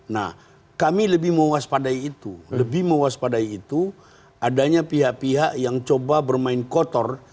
nah kami lebih mewaspadai itu lebih mewaspadai itu adanya pihak pihak yang coba bermain kotor